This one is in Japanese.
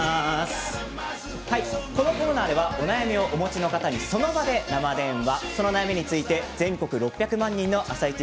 このコーナーではお悩みをお持ちの方にその場で生電話、そのお悩みについて全国６００万人の「あさイチ」